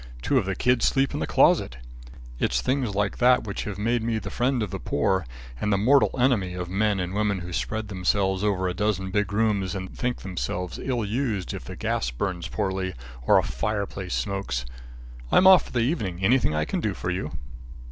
Two of the kids sleep in the closet. It's things like that which have made me the friend of the poor, and the mortal enemy of men and women who spread themselves over a dozen big rooms and think themselves ill used if the gas burns poorly or a fireplace smokes. I'm off for the evening; anything I can do for you?"